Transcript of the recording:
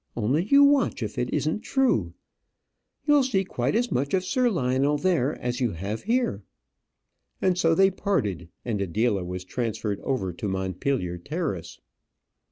Only you watch if it isn't true. You'll see quite as much of Sir Lionel there as you have here:" and so they parted, and Adela was transferred over to Montpellier Terrace.